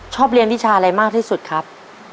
ชอบเรียนวิชาอะไรมากที่สุดครับ